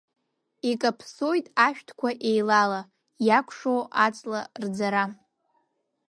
Икаԥсоит ашәҭқәа еилала, иакәшо аҵла рӡара.